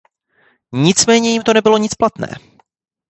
Nicméně jim to nebylo nic platné.